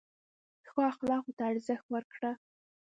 ښو اخلاقو ته ارزښت ورکړه.